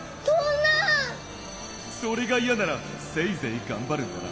「それがいやならせいぜいがんばるんだな。